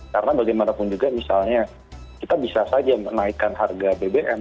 karena bagaimanapun juga misalnya kita bisa saja menaikkan harga bbm